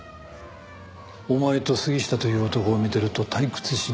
お前と杉下という男を見てると退屈しない。